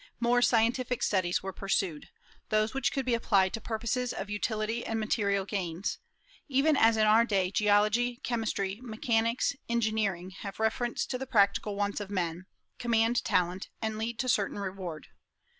More scientific studies were pursued, those which could be applied to purposes of utility and material gains; even as in our day geology, chemistry, mechanics, engineering, having reference to the practical wants of men, command talent, and lead to certain reward.